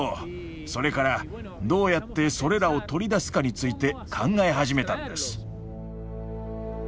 それからどうやってそれらを取り出すかについて考え始めたんです。